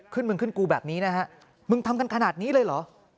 มึงขึ้นกูแบบนี้นะฮะมึงทำกันขนาดนี้เลยเหรอ